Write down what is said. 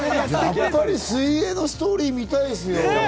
やっぱり水泳のストーリー見たいですよ。